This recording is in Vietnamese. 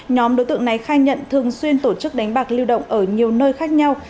nhóm đối tượng này khai nhận thường xuyên tổ chức đánh bạc lưu động ở nhiều nơi khác nhau